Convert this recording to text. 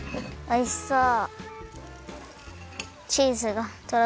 おいしそう！